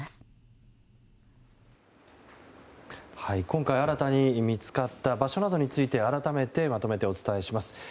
今回、新たに見つかった場所などについて改めてまとめてお伝えします。